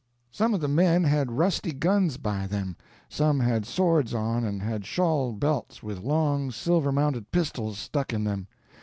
Some of the men had rusty guns by them, some had swords on and had shawl belts with long, silver mounted pistols stuck in them.